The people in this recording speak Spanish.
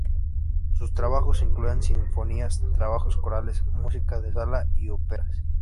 Sus trabajos incluían sinfonías, trabajos corales, música de sala y óperas.